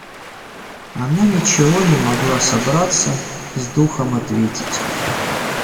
Она ничего не могла собраться с духом ответить.